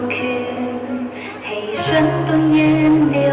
ขอบคุณทุกเรื่องราว